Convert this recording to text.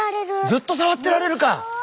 ずっとさわってられるか！